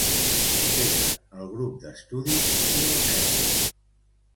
Integra el Grup d'Estudis Subalterns.